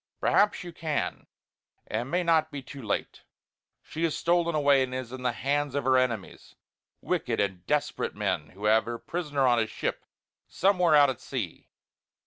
Perhaps you can, and it may not be too late. She is stolen away and is in the hands of her enemies; wicked and desperate men who have her prisoner on a ship somewhere out at sea.